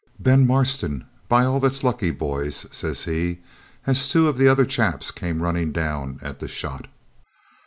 'Ben Marston, by all that's lucky, boys!' says he, as two of the other chaps came running down at the shot.